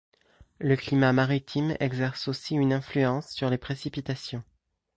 Le climat maritime exerce aussi une influence sur les précipitations.